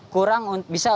kurang bisa dikonsumsi